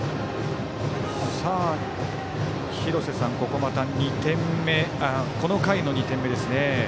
廣瀬さん、ここまたこの回の２点目ですね。